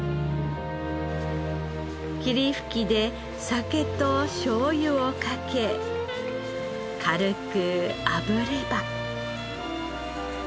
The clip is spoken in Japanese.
霧吹きで酒としょうゆをかけ軽く炙れば。